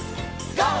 ＧＯ！